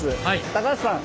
高橋さん。